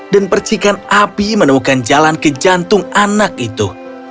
dan percikan api menemukan jalan ke jantung anak itu